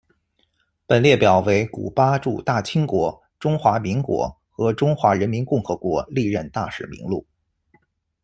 本列表为古巴驻大清国、中华民国和中华人民共和国历任大使名录。